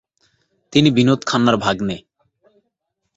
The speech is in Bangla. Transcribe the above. তিনি বিনোদ খান্নার ভাগ্নে।